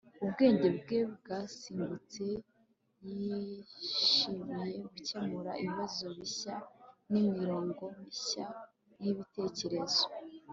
Ubwenge bwe bwasimbutse yishimiye gukemura ibibazo bishya nimirongo mishya yibitekerezo